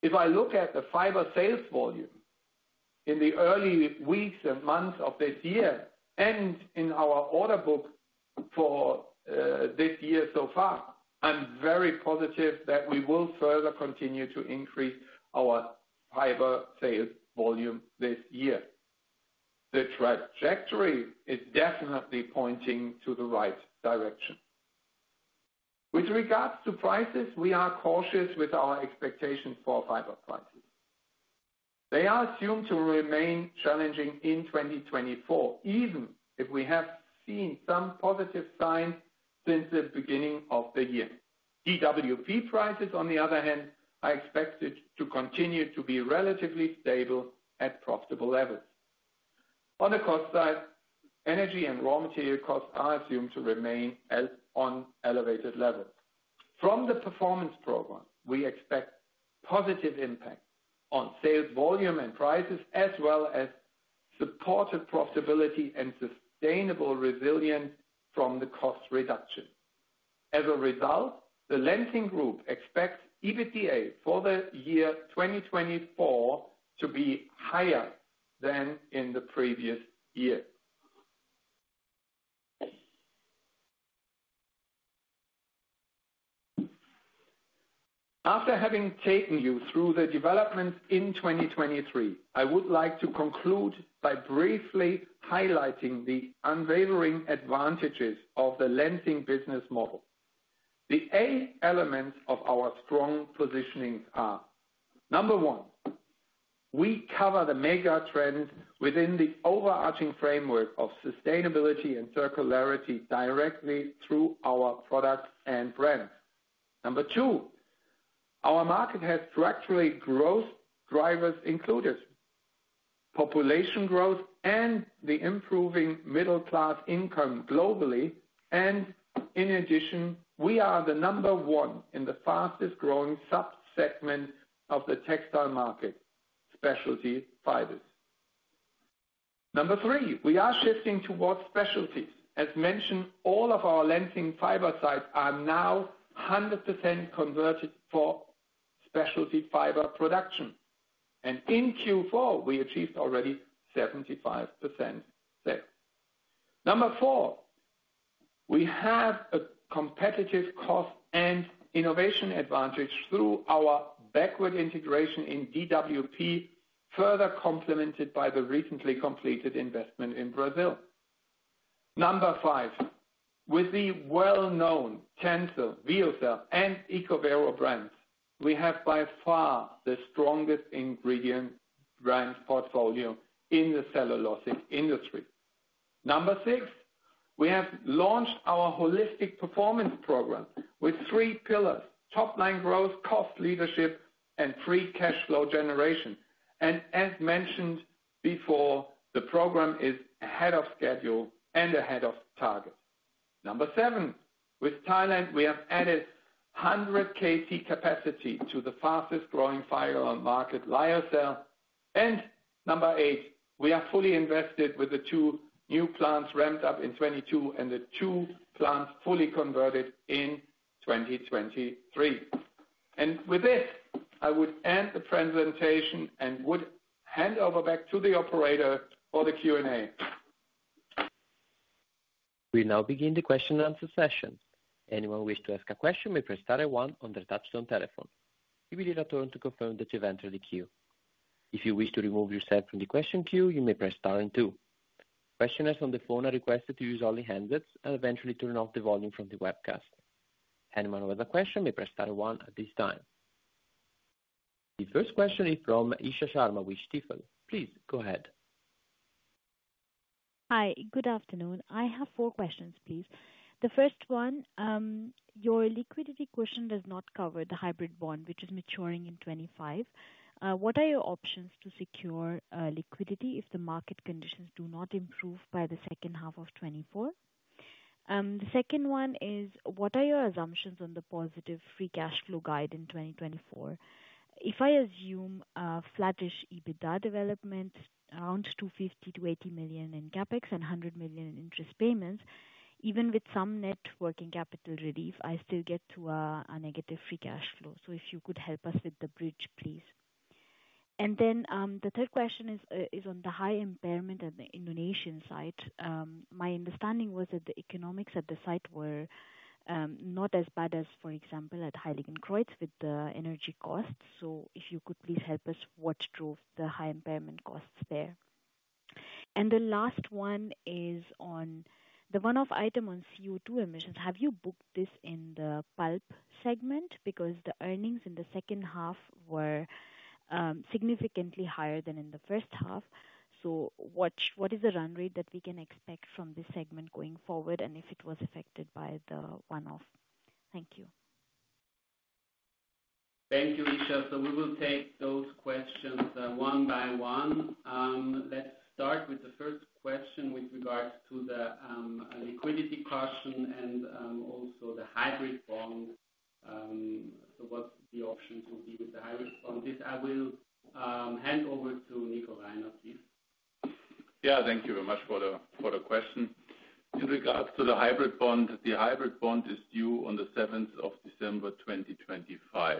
if I look at the fiber sales volume in the early weeks and months of this year, and in our order book for this year so far, I'm very positive that we will further continue to increase our fiber sales volume this year. The trajectory is definitely pointing to the right direction. With regards to prices, we are cautious with our expectations for fiber prices. They are assumed to remain challenging in 2024, even if we have seen some positive signs since the beginning of the year. DWP prices, on the other hand, are expected to continue to be relatively stable at profitable levels. On the cost side, energy and raw material costs are assumed to remain at elevated levels. From the performance program, we expect positive impact on sales volume and prices, as well as supported profitability and sustainable resilience from the cost reduction. As a result, the Lenzing Group expects EBITDA for the year 2024 to be higher than in the previous year. After having taken you through the development in 2023, I would like to conclude by briefly highlighting the unwavering advantages of the Lenzing business model. The eight elements of our strong positioning are: number one, we cover the mega trends within the overarching framework of sustainability and circularity directly through our products and brands. Number two, our market has structurally growth drivers included, population growth and the improving middle class income globally, and in addition, we are the number one in the fastest growing sub-segment of the textile market, specialty fibers. Number three, we are shifting towards specialties. As mentioned, all of our Lenzing fiber sites are now 100% converted for specialty fiber production, and in Q4, we achieved already 75% there. Number four, we have a competitive cost and innovation advantage through our backward integration in DWP, further complemented by the recently completed investment in Brazil. Number five, with the well-known TENCEL, VEOCEL, and ECOVERO brands, we have by far the strongest ingredient brand portfolio in the cellulosic industry. Number six, we have launched our holistic performance program with three pillars: top line growth, cost leadership, and free cash flow generation. As mentioned before, the program is ahead of schedule and ahead of target. Number seven, with Thailand, we have added 100 kt capacity to the fastest growing fiber on market, Lyocell. Number eight, we are fully invested with the two new plants ramped up in 2022 and the two plants fully converted in 2023. With this, I would end the presentation and would hand over back to the operator for the Q&A. We now begin the question-and-answer session. Anyone wish to ask a question may press star one on their touchtone telephone. You will hear a tone to confirm that you've entered the queue. If you wish to remove yourself from the question queue, you may press star and two. Questioners on the phone are requested to use only handsets and eventually turn off the volume from the webcast. Anyone with a question may press star one at this time. The first question is from Isha Sharma with Stifel. Please go ahead. Hi, good afternoon. I have four questions, please. The first one, your liquidity question does not cover the hybrid bond, which is maturing in 2025. What are your options to secure liquidity if the market conditions do not improve by the second half of 2024? The second one is, what are your assumptions on the positive free cash flow guide in 2024? If I assume, flattish EBITDA development around 250 million-80 million in CapEx and 100 million in interest payments, even with some net working capital relief, I still get to a negative free cash flow. So if you could help us with the bridge, please. And then, the third question is on the high impairment at the Indonesian site. My understanding was that the economics at the site were not as bad as, for example, at Heiligenkreuz with the energy costs. So if you could please help us, what drove the high impairment costs there? And the last one is on the one-off item on CO₂ emissions. Have you booked this in the pulp segment? Because the earnings in the second half were significantly higher than in the first half. So what, what is the run rate that we can expect from this segment going forward, and if it was affected by the one-off? Thank you. Thank you, Isha. So we will take those questions one by one. Let's start with the first question with regards to the liquidity caution and also the hybrid bond. So what the options will be with the hybrid bond is I will hand over to Nico Reiner, please. Yeah, thank you very much for the, for the question. In regards to the hybrid bond, the hybrid bond is due on the December 17th, 2025.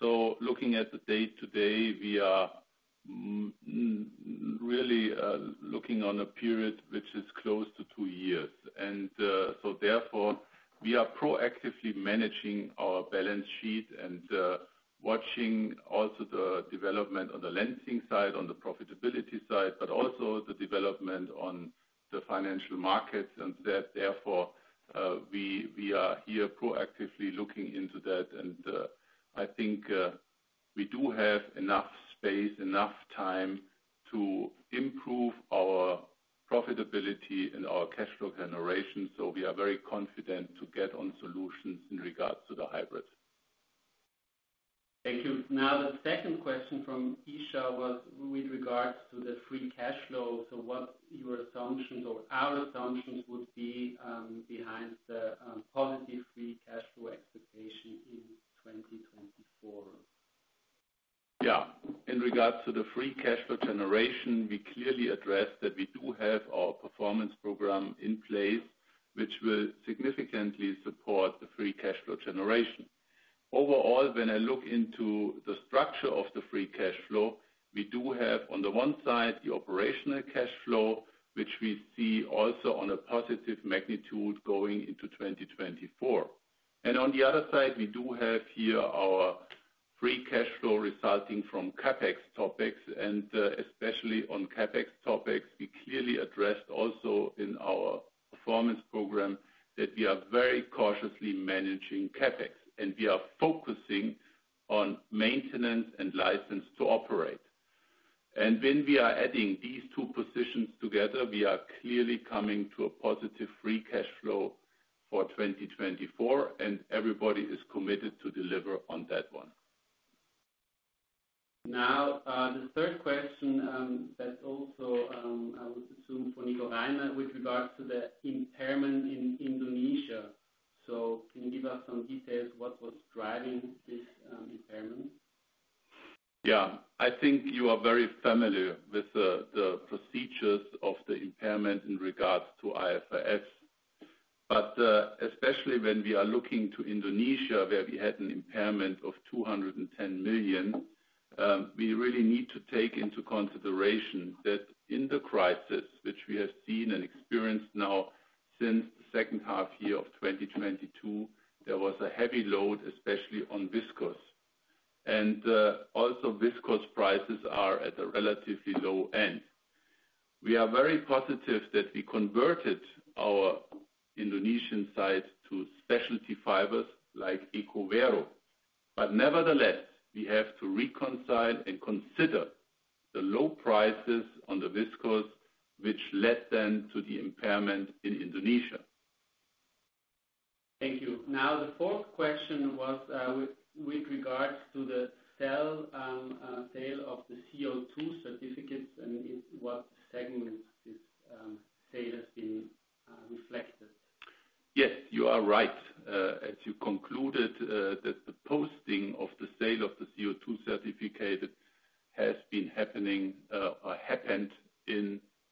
So looking at the date today, we are really looking on a period which is close to two years. And, so therefore, we are proactively managing our balance sheet and watching also the development on the lending side, on the profitability side, but also the development on the financial markets, and that therefore, we are here proactively looking into that. And, I think, we do have enough space, enough time to improve our profitability and our cash flow generation. So we are very confident to get on solutions in regards to the hybrid. Thank you. Now, the second question from Isha was with regards to the free cash flow. So what your assumptions or our assumptions would be behind the positive free cash flow expectation in 2024? Yeah. In regards to the free cash flow generation, we clearly addressed that we do have our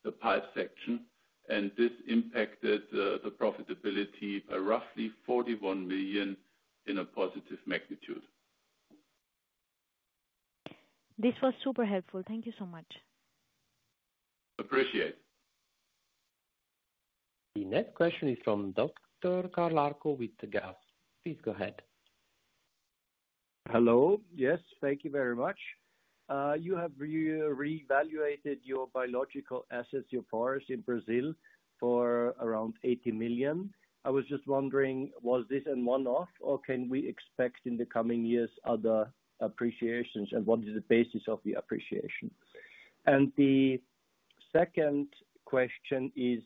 the pipe section, and this impacted the profitability by roughly 41 million in a positive magnitude. This was super helpful. Thank you so much. Appreciate it. The next question is from Dr. [Karl Arco with Stegan]. Please go ahead. Hello. Yes, thank you very much. You have reevaluated your biological assets, your forest in Brazil, for around 80 million. I was just wondering, was this a one-off or can we expect in the coming years other appreciations, and what is the basis of the appreciation? And the second question is,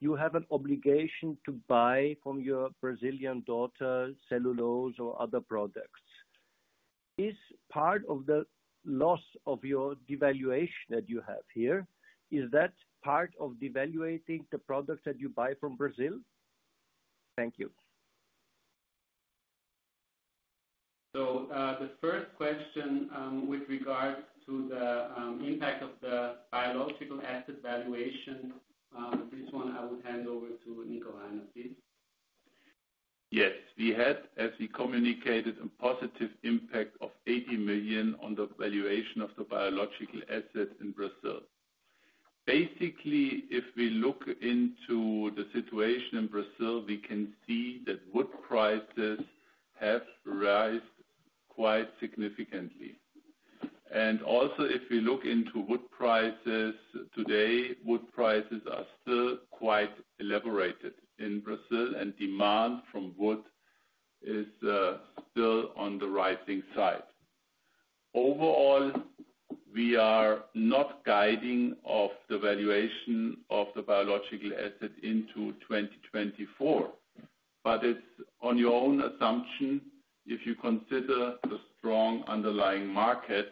you have an obligation to buy from your Brazilian daughter, cellulose or other products. Is part of the loss of your devaluation that you have here, is that part of devaluing the products that you buy from Brazil? Thank you. The first question with regards to the impact of the biological asset valuation, this one I would hand over to Nico Reiner, please. Yes, we had, as we communicated, a positive impact of 80 million on the valuation of the biological assets in Brazil. Basically, if we look into the situation in Brazil, we can see that wood prices have risen quite significantly. Also, if we look into wood prices today, wood prices are still quite elevated in Brazil, and demand for wood is still on the rising side. Overall, we are not guiding on the valuation of the biological assets into 2024, but it's on your own assumption if you consider the strong underlying market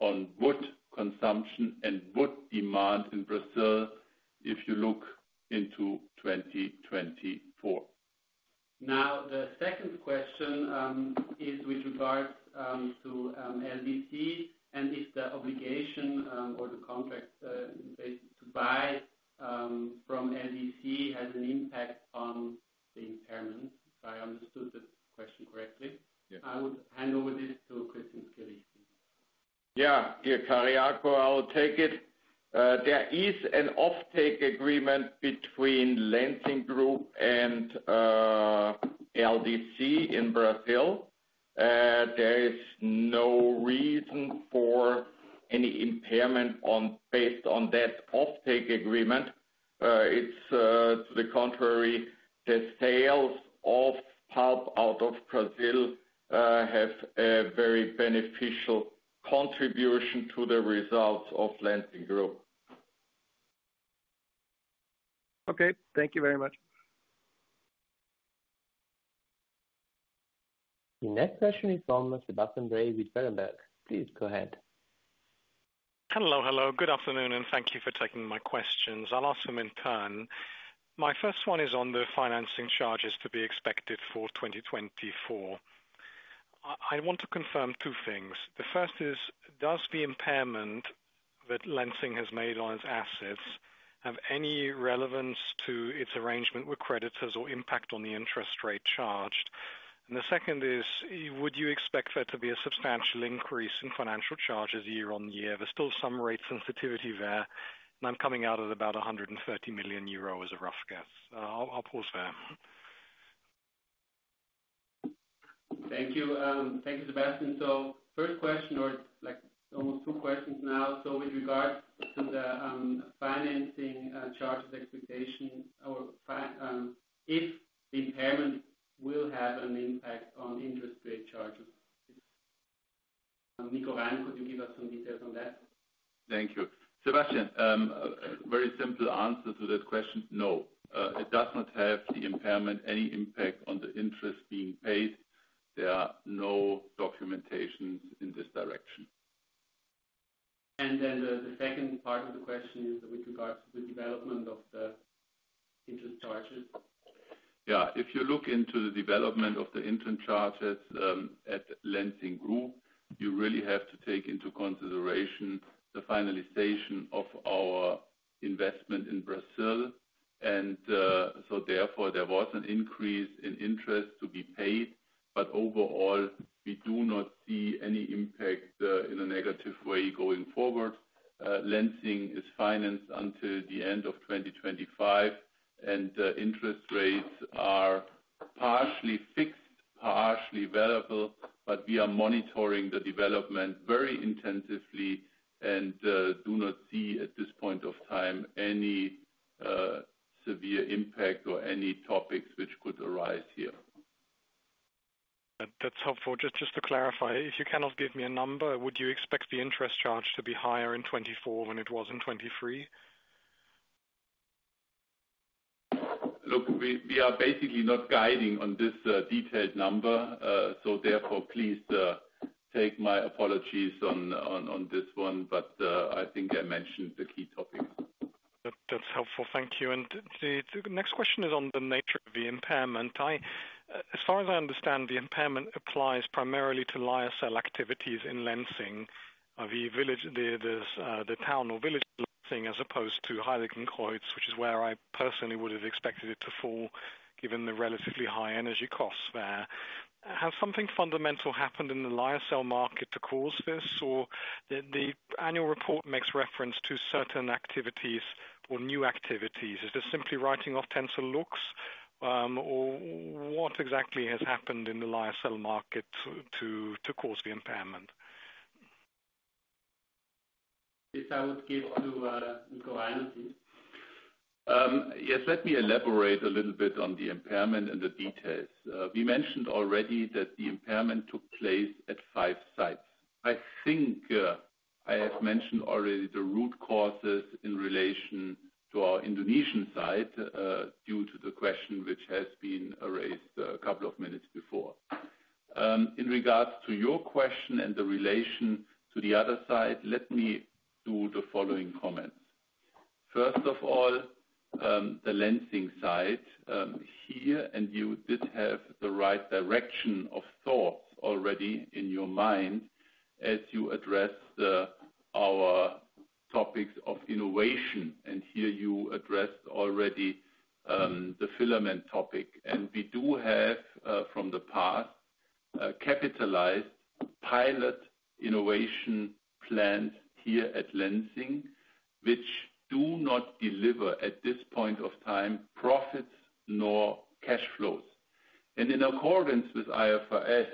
on wood consumption and wood demand in Brazil if you look into 2024. Now, the to the results of Lenzing Group. Okay, thank you very much. The next question is from Sebastian Bray with Berenberg. Please go ahead. Hello, hello. Good afternoon, and thank you for taking my questions. I'll ask them in turn. My first one is on the financing charges to be expected for 2024. I want to confirm two things. The first is, does the impairment that Lenzing has made on its assets have any relevance to its arrangement with creditors or impact on the interest rate charged? And the second is, would you expect there to be a substantial increase in financial charges year on year? There's still some rate sensitivity there, and I'm coming out at about 130 million euro as a rough guess. I'll pause there. Thank you. Thank you, Sebastian. So first question, or like almost two questions now. So with regard to the financing charges expectation or if the impairment will have an impact on interest rate charges. Nico Reiner, could you give us some details on that? Thank you. Sebastian, very simple answer to that question, no. It does not have the impairment, any impact on the interest being paid. There are no documentations in this direction. And then the second part of the question is with regards to the development of the interest charges. Yeah, if you look into the development of the interest charges at Lenzing Group, you really have to take into consideration the finalization of our investment in Brazil. And so therefore, there was an increase in interest to be paid. But overall, we do not see any impact in a negative way going forward. Lenzing is financed until the end of 2025, and interest rates are partially fixed, partially variable, but we are monitoring the development very intensively and do not see, at this point of time, any severe impact or any topics which could arise here. That's helpful. Just to clarify, if you cannot give me a number, would you expect the interest charge to be higher in 2024 than it was in 2023? Look, we are basically not guiding on this detailed number. So therefore, please, take my apologies on this one, but I think I mentioned the key topics. That, that's helpful. Thank you. And the next question is on the nature of the impairment. As far as I understand, the impairment applies primarily to lyocell activities in Lenzing, the village, the town or village Lenzing, as opposed to Heiligenkreuz, which is where I personally would have expected it to fall, given the relatively high energy costs there. Has something fundamental happened in the lyocell market to cause this? Or the annual report makes reference to certain activities or new activities. Is this simply writing off TENCEL Luxe? Or what exactly has happened in the lyocell market to cause the impairment? This I would give to Nico Reiner. Yes, let me elaborate a little bit on the impairment and the details. We mentioned already that the impairment took place at 5 sites. I think I have mentioned already the root causes in relation to our Indonesian site, due to the question which has been raised a couple of minutes before. In regards to your question and the relation to the other side, let me do the following comments. First of all, the Lenzing site, here, and you did have the right direction of thoughts already in your mind as you addressed our topics of innovation, and here you addressed already the filament topic. And we do have, from the past, capitalized pilot innovation plans here at Lenzing, which do not deliver, at this point of time, profits nor cash flows. In accordance with IFRS,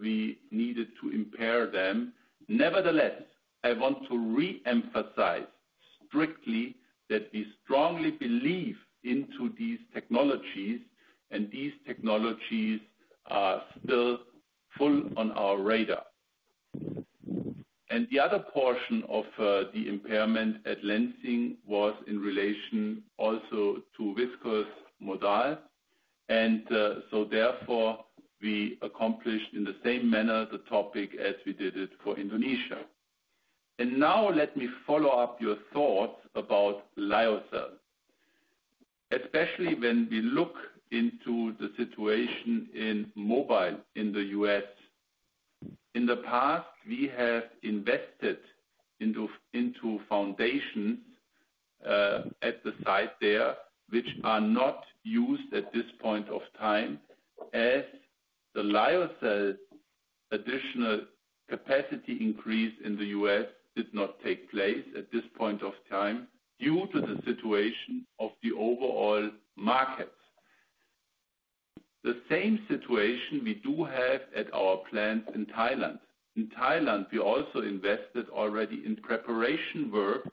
we needed to impair them. Nevertheless, I want to reemphasize strictly that we strongly believe into these technologies, and these technologies are still full on our radar. The other portion of the impairment at Lenzing was in relation also to viscose modal, and so therefore, we accomplished in the same manner the topic as we did it for Indonesia. Now let me follow up your thoughts about lyocell. Especially when we look into the situation in Mobile in the U.S. In the past, we have invested into foundations at the site there, which are not used at this point of time, as the lyocell additional capacity increase in the U.S. did not take place at this point of time due to the situation of the overall market. The same situation we do have at our plants in Thailand. In Thailand, we also invested already in preparation work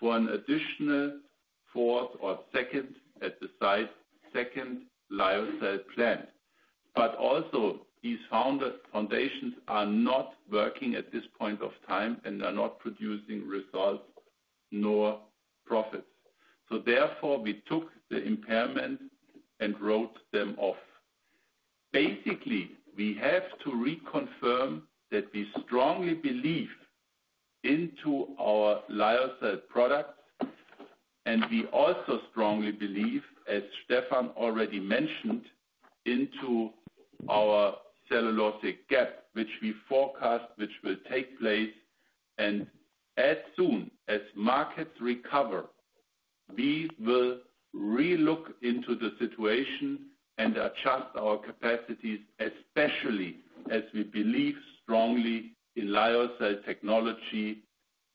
for an additional fourth or second, at the site, second lyocell plant. But also, these foundations are not working at this point of time and are not producing results nor profits. So therefore, we took the impairment and wrote them off. Basically, we have to reconfirm that we strongly believe into our lyocell products, and we also strongly believe, as Stephan already mentioned, into our cellulosic gap, which we forecast, which will take place. And as soon as markets recover, we will re-look into the situation and adjust our capacities, especially as we believe strongly in lyocell technology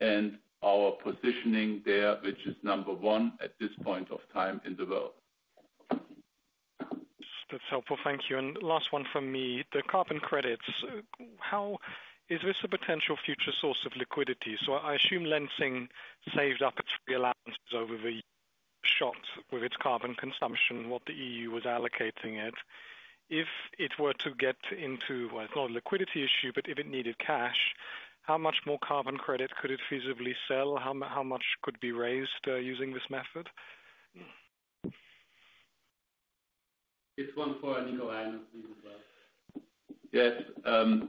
and our positioning there, which is number one at this point of time in the world. That's helpful. Thank you. And last one from me. The carbon credits, how... Is this a potential future source of liquidity? So I assume Lenzing saved up its free allowances over the years with its carbon consumption, what the EU was allocating it. If it were to get into, well, not a liquidity issue, but if it needed cash, how much more carbon credit could it feasibly sell? How, how much could be raised using this method? It's one for Nico, and please go. Yes,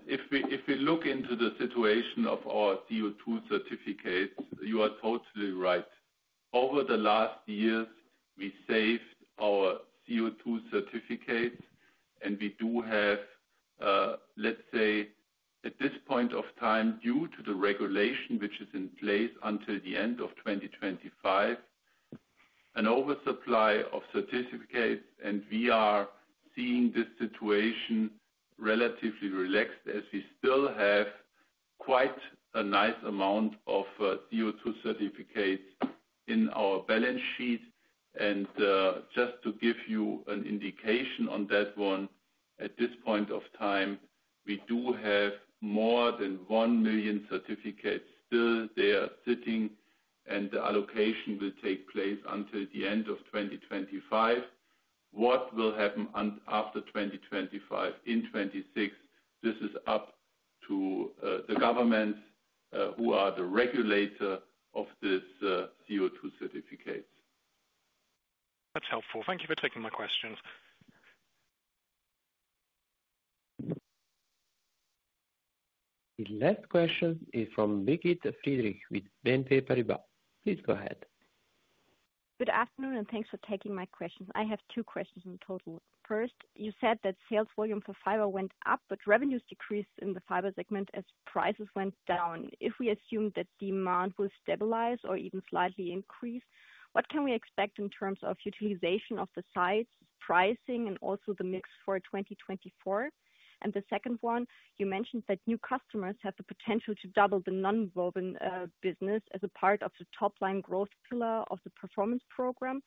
if we look into the situation of our CO₂ certificates, you are totally right. Over the last years, we saved our CO₂ certificates, and we do have, let's say, at this point of time, due to the regulation, which is in place until the end of 2025, an oversupply of certificates, and we are seeing this situation relatively relaxed as we still have quite a nice amount of CO₂ certificates in our balance sheet. Just to give you an indication on that one, at this point of time, we do have more than 1 million certificates still there sitting, and the allocation will take place until the end of 2025. What will happen after 2025, in 2026? This is up to the government, who are the regulator of this CO₂ certificates. That's helpful. Thank you for taking my questions. The last question is from Brigitte Friedrich with BNP Paribas. Please go ahead. Good afternoon, and thanks for taking my questions. I have two questions in total. First, you said that sales volume for fiber went up, but revenues decreased in the fiber segment as prices went down. If we assume that demand will stabilize or even slightly increase, what can we expect in terms of utilization of the size, pricing, and also the mix for 2024? And the second one, you mentioned that new customers have the potential to double the nonwoven business as a part of the top-line growth pillar of the performance program.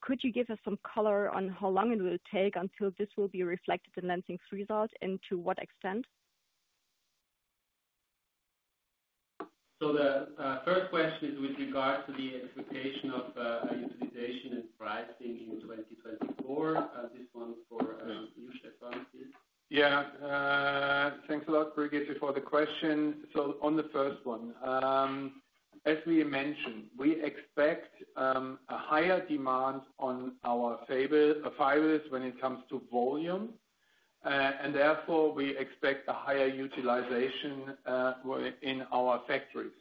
Could you give us some color on how long it will take until this will be reflected in Lenzing's results, and to what extent?... So the first question is with regard to the expectation of utilization and pricing in 2024. This one's for [Joost van Til]. Yeah. Thanks a lot, Brigitte, for the question. So on the first one, as we mentioned, we expect a higher demand on our fable fibers when it comes to volume. And therefore, we expect a higher utilization in our factories.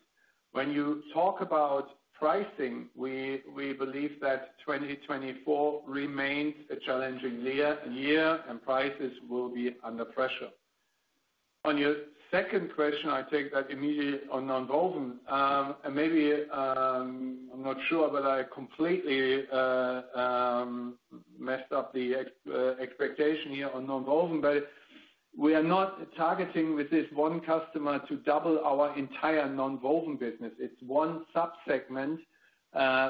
When you talk about pricing, we believe that 2024 remains a challenging year, and prices will be under pressure. On your second question, I take that immediately on nonwoven. And maybe, I'm not sure, but I completely messed up the expectation here on nonwoven. But we are not targeting with this one customer to double our entire nonwoven business. It's one sub-segment,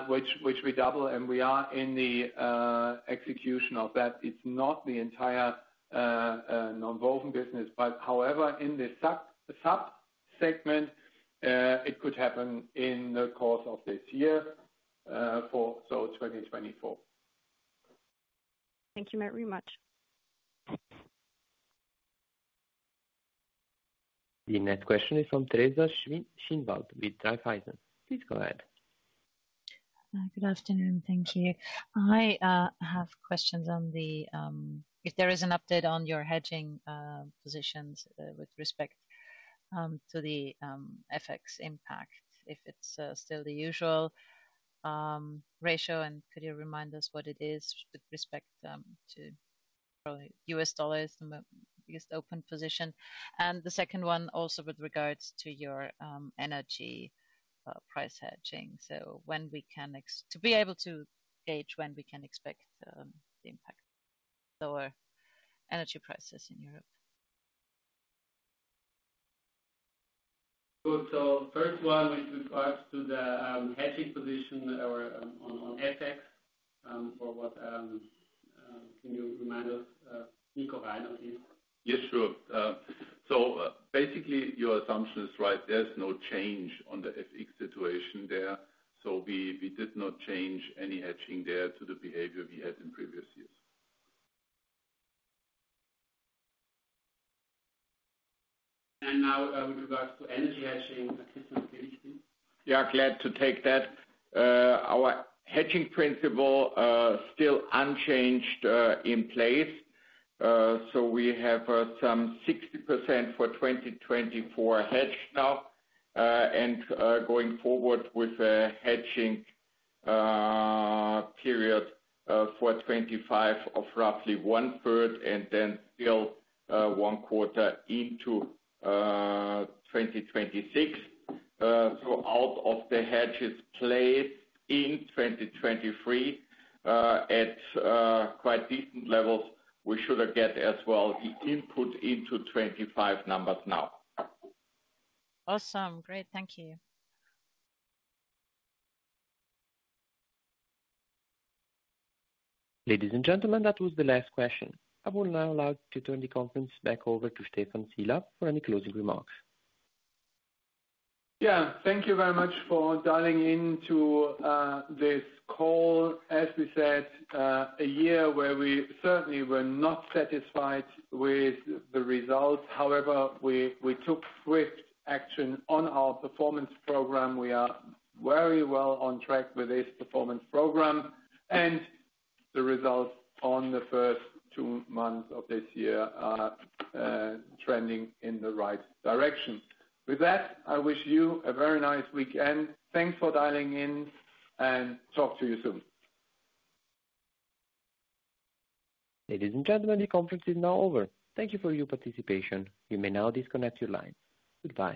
which we double, and we are in the execution of that. It's not the entire nonwoven business. But however, in this sub-sub-segment, it could happen in the course of this year, for so 2024. Thank you very much. The next question is from Teresa Schinwald with Raiffeisen. Please go ahead. Good afternoon. Thank you. I have questions on the if there is an update on your hedging positions with respect to the FX impact, if it's still the usual ratio, and could you remind us what it is with respect to probably U.S. dollars, the biggest open position? And the second one also with regards to your energy price hedging. So when we can expect to be able to gauge when we can expect the impact, lower energy prices in Europe. Good. So first one, with regards to the hedging position or on FX, or what, can you remind us, Nico Reiner, please? Yes, sure. So basically, your assumption is right. There's no change on the FX situation there, so we did not change any hedging there to the behavior we had in previous years. Now, with regards to energy hedging, Christian Skilich. Yeah, glad to take that. Our hedging principle still unchanged, in place. So we have some 60% for 2024 hedged now. And going forward with a hedging period for 2025 of roughly one third, and then still one quarter into 2026. So out of the hedges placed in 2023, at quite decent levels, we should get as well input into 2025 numbers now. Awesome. Great, thank you. Ladies and gentlemen, that was the last question. I will now like to turn the conference back over to Stephan Sielaff for any closing remarks. Yeah. Thank you very much for dialing in to this call. As we said, a year where we certainly were not satisfied with the results. However, we took swift action on our performance program. We are very well on track with this performance program, and the results on the first two months of this year are trending in the right direction. With that, I wish you a very nice weekend. Thanks for dialing in, and talk to you soon. Ladies and gentlemen, the conference is now over. Thank you for your participation. You may now disconnect your line. Goodbye.